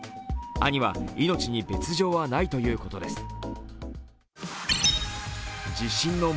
兄は命に別状はないということです。